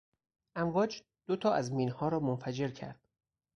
امواج دو تا از مینها را منفجر کرد.